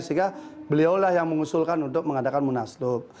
sehingga beliau lah yang mengusulkan untuk mengadakan munasulup